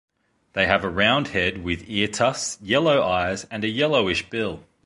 They have a round head with ear tufts, yellow eyes and a yellowish bill.